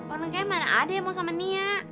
orang kayak mana ada yang mau sama nia